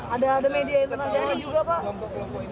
ada media internasional juga pak